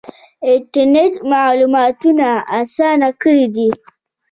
انټرنیټ معلومات اسانه کړي دي